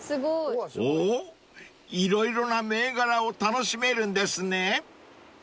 ［おっ色々な銘柄を楽しめるんですね］